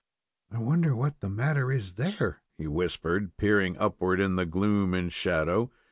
"I wonder what the matter is there?" he whispered, peering upward in the gloom and shadow.